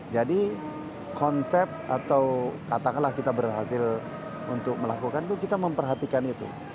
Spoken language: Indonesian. jadi konsep atau katakanlah kita berhasil untuk melakukan itu kita memperhatikan itu